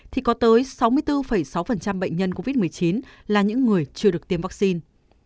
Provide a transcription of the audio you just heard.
thì có tới sáu mươi bốn sáu bệnh nhân covid một mươi chín là những người chưa được tiêm vaccine